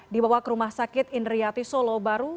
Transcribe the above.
dibawa ke rumah sakit indriati solo baru